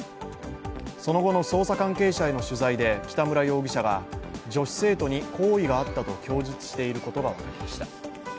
その後の捜査関係者への取材で北村容疑者が女子生徒に好意があったと供述していることが分かりました。